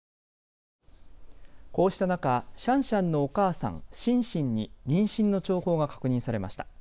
こうした中、シャンシャンのお母さん、シンシンに妊娠の兆候が確認されました。